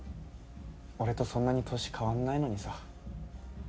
俺とそんなに年変わんないのにさ。